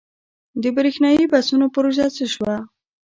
د بریښنايي بسونو پروژه څه شوه؟